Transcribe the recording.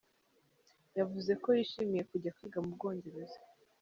Yavuze ko yishimiye kujya kwiga mu Bwongereza.